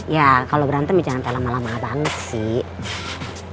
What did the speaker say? ya kalau berantem ya jangan lama lama ngetangis sih